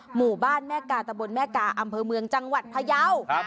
หมู่บ้านแม่กาตะบนแม่กาอำเภอเมืองจังหวัดพยาว